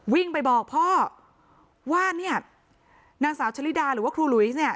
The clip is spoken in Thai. วิ่งไปบอกพ่อว่าเนี่ยนางสาวชะลิดาหรือว่าครูหลุยเนี่ย